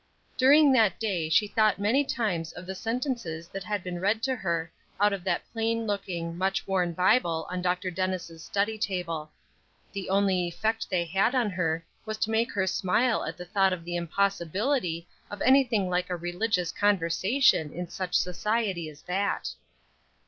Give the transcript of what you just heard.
During that day she thought many times of the sentences that had been read to her out of that plain looking, much worn Bible on Dr. Dennis' study table. The only effect they had on her was to make her smile at the thought of the impossibility of anything like a religious conversation in such society as that!